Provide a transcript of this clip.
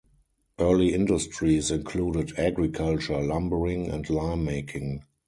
Early industries included agriculture, lumbering, and lime making.